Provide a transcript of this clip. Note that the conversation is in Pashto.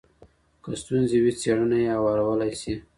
که ستونزي وي، څېړنه یې هوارولای سي.